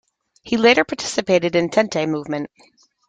He later participated in the tenente movement.